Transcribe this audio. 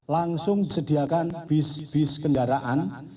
langsung disediakan bis bis kendaraan